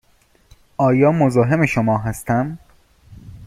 آیا مزاحم شما هستم؟